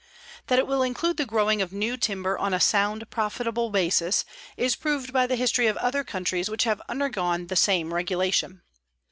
That it will include the growing of new timber on a sound, profitable basis is proved by the history of other countries which have undergone the same regulation.